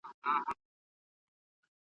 نور خلک د عمر په وروستیو کې روغ رمټ وي.